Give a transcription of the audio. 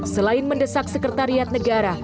selain mendesak sekretariat negara